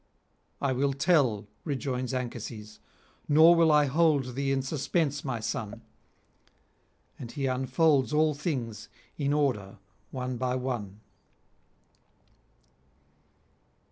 'I will tell,' rejoins Anchises, 'nor will I hold thee in suspense, my son.' And he unfolds all things in order one by one.